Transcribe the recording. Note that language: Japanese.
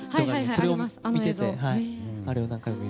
それを見ていて。